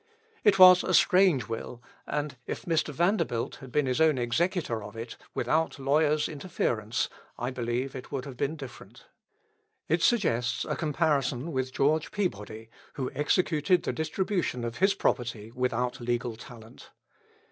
It was a strange will, and if Mr. Vanderbilt had been his own executor of it, without lawyers' interference, I believe it would have been different. It suggests a comparison with George Peabody, who executed the distribution of his property without legal talent.